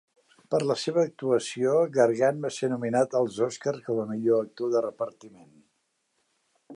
Per la seva actuació, Gargan va ser nominat als Òscar com a Millor actor de repartiment.